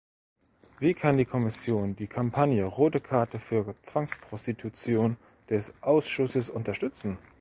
Wie kann die Kommission die Kampagne "Rote Karte für Zwangsprostitution" des Ausschusses unterstützen?